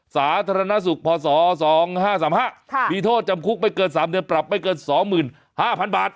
สาธารณสุขพศสองห้าสามห้าค่ะค่ะมีโทษจำคุกไม่เกินสามเดือนปรับไม่เกินสองหมื่นห้าพันบาท